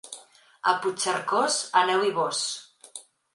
A Puigcercós, aneu-hi vós.